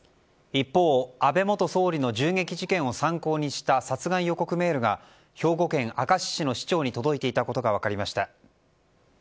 一方、安倍元総理の銃撃事件を参考にした殺害予告メールが兵庫県明石市の市長に届いていたことが分かりました。